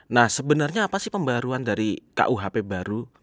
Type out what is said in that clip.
nah sebenarnya apa sih pembaruan dari kuhp baru